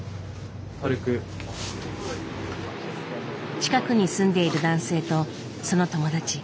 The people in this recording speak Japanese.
近くに住んでいる男性とその友達。